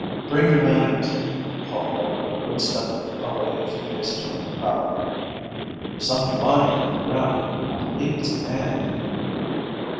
"Bring your lanterns," called Walter, who had stepped away a few paces from the crowd. "There's something lying here on the ground. I believe it's a man."